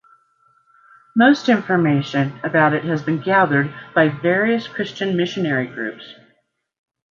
Most information about it has been gathered by various Christian missionary groups...